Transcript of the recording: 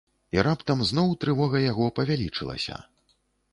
І раптам зноў трывога яго павялічылася.